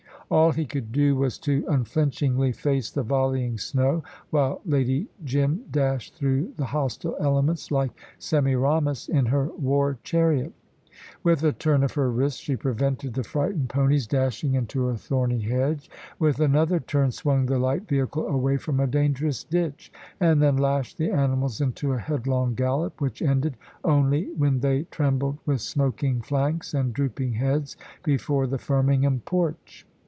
All he could do was to unflinchingly face the volleying snow, while Lady Jim dashed through the hostile elements like Semiramis in her war chariot. With a turn of her wrist she prevented the frightened ponies dashing into a thorny hedge, with another turn swung the light vehicle away from a dangerous ditch, and then lashed the animals into a headlong gallop, which ended only when they trembled, with smoking flanks and drooping heads, before the Firmingham porch.